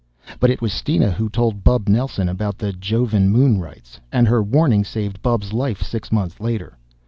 But it was Steena who told Bub Nelson about the Jovan moon rites and her warning saved Bub's life six months later.